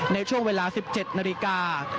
ในช่วงเวลา๑๗นาฬิกา